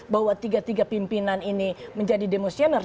bahwa tiga tiga pimpinan ini menjadi demosioner